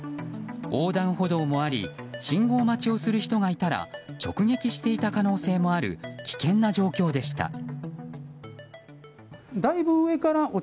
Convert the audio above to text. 横断歩道もあり信号待ちをする人がいたら直撃していた可能性もある危険な状況でした。